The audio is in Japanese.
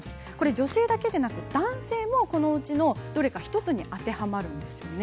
女性だけでなく男性もこのうちのどれか１つに当てはまるんですよね。